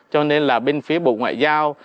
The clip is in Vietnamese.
cho nên là bên phía bộ ngoại giao